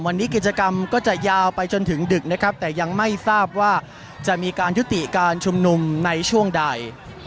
วันนี้กิจกรรมก็จะยาวไปจนถึงดึกนะครับแต่ยังไม่ทราบว่าจะมีการยุติการชุมนุมในช่วงใด